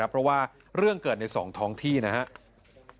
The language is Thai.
เพราะว่าเรื่องเกิดใน๒ท้องที่นะครับ